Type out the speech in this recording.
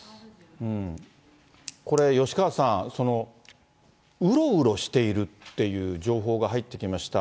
これ、吉川さん、うろうろしているっていう情報が入ってきました。